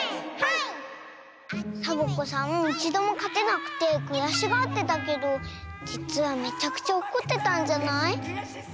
いちどもかてなくてくやしがってたけどじつはめちゃくちゃおこってたんじゃない？